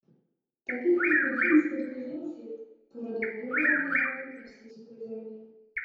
Таких лиходіїв-спадкоємців породив вигаданий герой «російської землі»